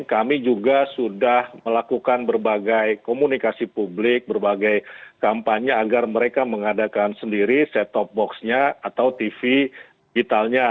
kami juga sudah melakukan berbagai komunikasi publik berbagai kampanye agar mereka mengadakan sendiri set top boxnya atau tv digitalnya